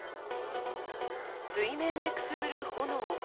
水面でくすぶる炎。